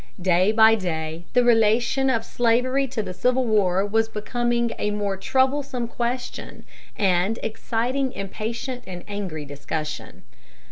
Day by day the relation of slavery to the Civil War was becoming a more troublesome question, and exciting impatient and angry discussion.